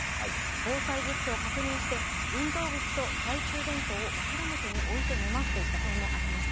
防災グッズを確認して、運動靴と懐中電灯を枕元に置いて寝ますという声もありました。